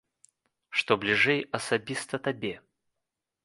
Што бліжэй асабіста табе?